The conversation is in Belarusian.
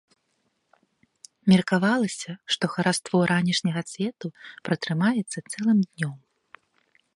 Меркавалася, што хараство ранішняга цвету пратрымаецца цэлым днём.